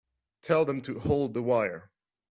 Tell them to hold the wire.